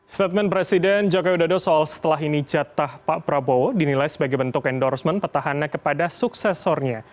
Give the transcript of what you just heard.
statement presiden jokowi dodo soal setelah ini jatah pak prabowo dinilai sebagai bentuk endorsement petahana kepada suksesornya